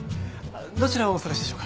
どちらをお探しでしょうか。